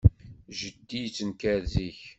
Jeddi yettenkar zik.